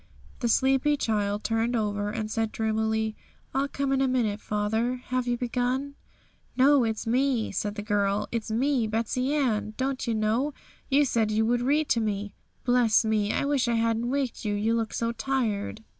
The sleepy child turned over, and said dreamily, 'I'll come in a minute, father; have you begun?' 'No; it's me,' said the girl; 'it's me; it's Betsey Ann. Don't you know you said you would read to me? Bless me! I wish I hadn't waked you, you look so tired!'